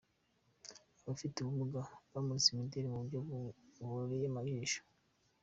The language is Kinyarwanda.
Abafite ubumuga bamuritse imideri mu buryo bubereye ijisho.